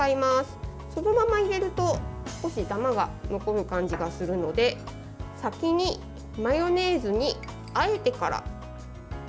そのまま入れると少しダマが残る感じがするので先にマヨネーズにあえてからマヨネーズドレッシングを作って